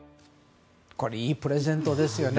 いいプレゼントですね。